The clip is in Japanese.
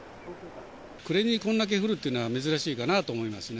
暮れにこんだけ降るっていうのは、珍しいかなと思いますね。